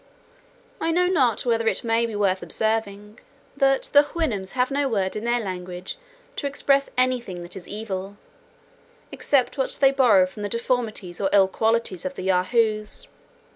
I know not whether it may be worth observing, that the Houyhnhnms have no word in their language to express any thing that is evil, except what they borrow from the deformities or ill qualities of the Yahoos.